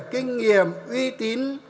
kinh nghiệm uy tín